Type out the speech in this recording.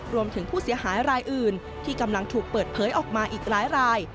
รวมถึงผู้เสียหายรายอื่นที่กำลังถูกเปิดเผยออกมาอีกหลายราย